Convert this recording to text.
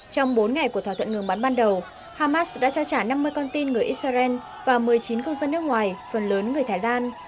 trong bốn ngày của thỏa thuận ngừng bắn ban đầu hamas đã trao trả năm mươi con tin người israel và một mươi chín công dân nước ngoài phần lớn người thái lan